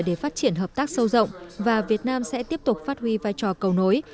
để phát triển hợp tác sâu rộng và việt nam sẽ tiếp tục phát huy vai trò cầu nối